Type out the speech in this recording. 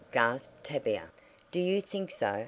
gasped Tavia. "Do you think so?